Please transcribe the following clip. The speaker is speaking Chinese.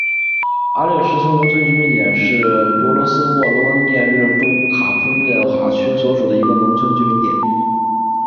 阿列什基农村居民点是俄罗斯联邦沃罗涅日州捷尔诺夫卡区所属的一个农村居民点。